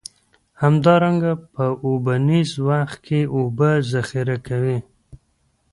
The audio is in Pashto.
همدارنګه په اوبیز وخت کې اوبه ذخیره کوي.